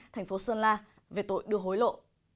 thành phố sơn la về tội đưa hối lộ